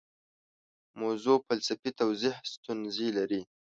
موضوع فلسفي توضیح ستونزې لري.